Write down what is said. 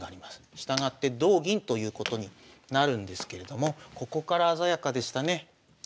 従って同銀ということになるんですけれどもここから鮮やかでしたね。